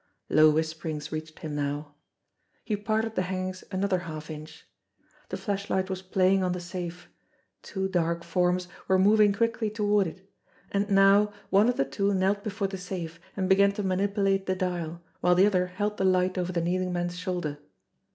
Low whisperings reached him now. He parted the hang ings another half inch. The flashlight was playing on the safe; two dark forms were moving quickly toward it; and now one of the two knelt before the safe and began to manip ulate the dial, while the other held the light over the kneeling man's shoulder.